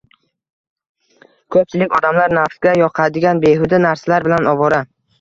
ko‘pchilik odamlar nafsga yoqadigan behuda narsalar bilan ovora